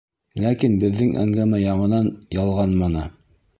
Ләкин беҙҙең әңгәмә яңынан ялғанманы.